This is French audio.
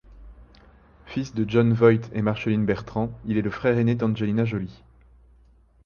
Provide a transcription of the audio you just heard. Fils de Jon Voight et Marcheline Bertrand, il est le frère aîné d'Angelina Jolie.